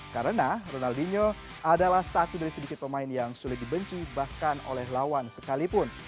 karena ronaldinho adalah satu dari sedikit pemain yang sulit dibenci bahkan oleh lawan sekalipun